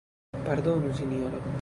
Pardonu Sinjoro!